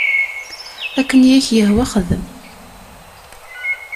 Akken i ak-yehwa xdem.